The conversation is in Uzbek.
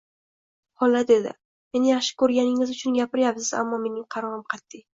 Hola, — dedi, — meni yaxshi ko'rganingiz uchun gapiryapsiz, ammo mening qarorim qatiy.